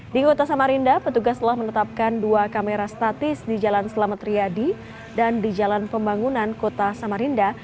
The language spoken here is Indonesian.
di kota samarinda petugas telah menetapkan dua kamera statis di jalan selamat riyadi dan di jalan pembangunan kota samarinda